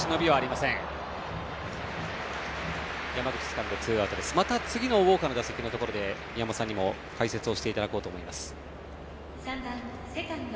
また次のウォーカーの打席のところで宮本さんには解説をしていただこうと思います。